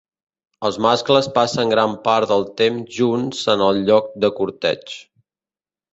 Els mascles passen gran part del temps junts en els llocs de corteig.